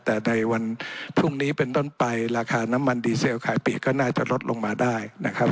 แต่ในวันพรุ่งนี้เป็นต้นไปราคาน้ำมันดีเซลขายปีกก็น่าจะลดลงมาได้นะครับ